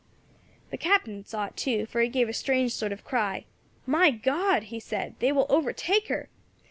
"The Captain saw it too, for he gave a strange sort of cry. 'My God!' he said, 'they will overtake her.'